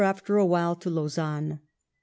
5 after a while to Lausanne.